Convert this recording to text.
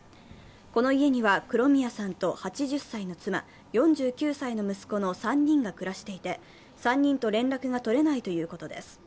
この家には黒宮さんと８０歳の妻４９歳の息子の３人が暮らしていて、３人と連絡がとれないということです。